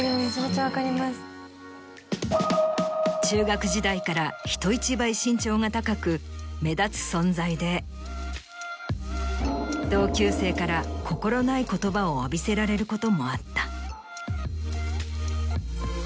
中学時代から人一倍身長が高く目立つ存在で同級生から心ない言葉を浴びせられることもあった。